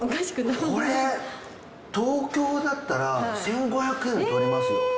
これ東京だったら１，５００円は取りますよ。